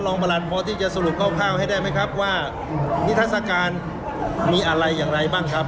ประหลัดพอที่จะสรุปคร่าวให้ได้ไหมครับว่านิทัศกาลมีอะไรอย่างไรบ้างครับ